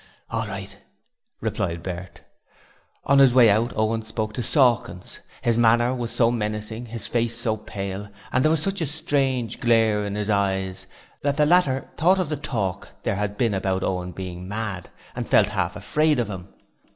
'All right,' replied Bert. On his way out Owen spoke to Sawkins. His manner was so menacing, his face so pale, and there was such a strange glare in his eyes, that the latter thought of the talk there had been about Owen being mad, and felt half afraid of him.